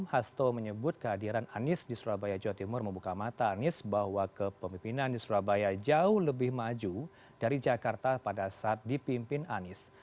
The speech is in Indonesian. hasto menyebut kehadiran anies di surabaya jawa timur membuka mata anies bahwa kepemimpinan di surabaya jauh lebih maju dari jakarta pada saat dipimpin anies